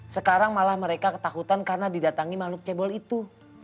sekarang malah mereka ketakutan karena didatangi makhluk cebol itu